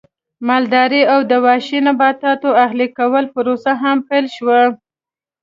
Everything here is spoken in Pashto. مالدارۍ او د وحشي نباتاتو اهلي کولو پروسه هم پیل شوه